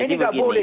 ini tidak boleh